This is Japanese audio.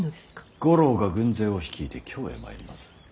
五郎が軍勢を率いて京へ参ります。